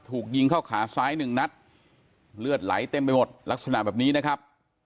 ถูกยิงเข้าขาซ้ายหนึ่งนัดเลือดไหลเต็มไปหมดลักษณะแบบนี้นะครับ